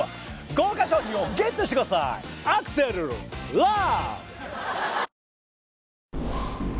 豪華賞品をＧＥＴしてくださいアクセルラブ！